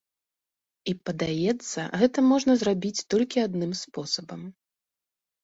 І, падаецца, гэта можна зрабіць толькі адным спосабам.